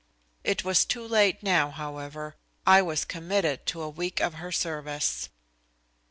It was too late now, however. I was committed to a week of her service.